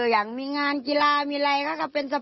ยังมีงานกีฬามีไรเขาก็เป็น